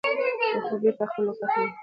خو هغوی بېرته خپل وقار ترلاسه کړ.